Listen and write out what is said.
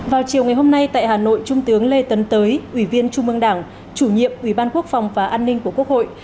vào chiều ngày hôm nay tại hà nội trung tướng lê tấn tới ủy viên trung mương đảng chủ nhiệm ủy ban quốc phòng và an ninh của quốc hội